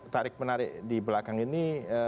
tarik menarik di belakang ini